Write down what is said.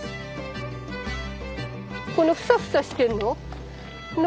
このフサフサしてるの？